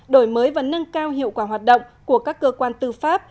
đổi mới và nâng cao hiệu quả hoạt động của các cơ quan tư pháp